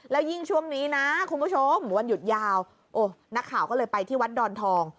แล้วยิ่งช่วงนี้นะคุณผู้ชมวันหยุดยาวโอ้นักข่าวก็เลยไปที่วัดดอนทอง